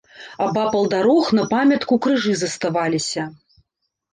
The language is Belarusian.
Абапал дарог на памятку крыжы заставаліся.